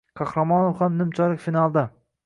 Qahramonov ham nimchorak finalda